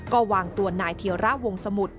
ก็วางตัวนายเทียระวงสมุทร